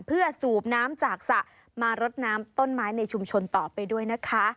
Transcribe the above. เพื่อสูบน้ำจากสระมารดน้ำต้นไม้ในชุมชนต่อไปด้วยนะคะ